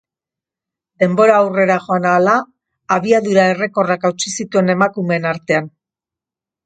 Denbora aurrera joan ahala, abiadura errekorrak hautsi zituen emakumeen artean.